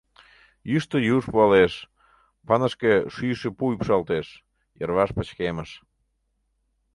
Йӱштӧ юж пуалеш, пынышке, шӱйшӧ пу ӱпшалтеш, йырваш пычкемыш.